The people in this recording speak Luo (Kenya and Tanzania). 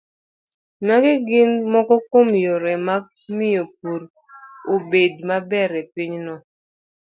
Magi gin moko kuom yore mag miyo pur obed maber e pinyno